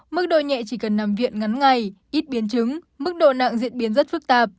mức độ nhẹ chỉ cần nằm viện ngắn ngày ít biến chứng mức độ nặng diễn biến rất phức tạp